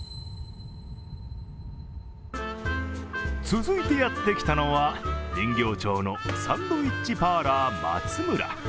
続いてやってきたのは人形町のサンドウィッチパーラーまつむら。